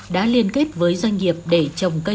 đã liên kết với doanh nghiệp để trồng cây